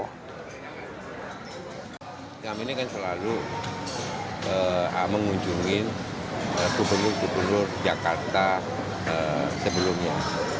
kami ini kan selalu mengunjungi gubernur gubernur jakarta sebelumnya